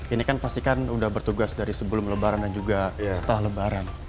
ini kan pastikan sudah bertugas dari sebelum lebaran dan juga setelah lebaran